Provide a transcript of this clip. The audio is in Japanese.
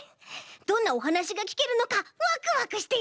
どんなおはなしがきけるのかワクワクしています。